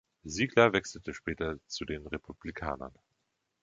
Sigler wechselte später zu den Republikanern.